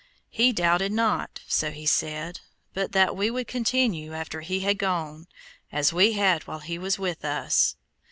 He doubted not, so he said, but that we would continue, after he had gone, as we had while he was with us.